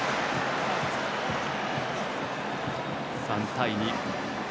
３対２。